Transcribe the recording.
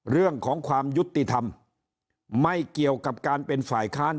เรื่องของความยุติธรรมไม่เกี่ยวกับการเป็นฝ่ายค้าน